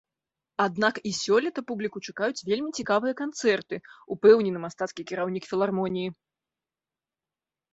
Аднак і сёлета публіку чакаюць вельмі цікавыя канцэрты, упэўнены мастацкі кіраўнік філармоніі.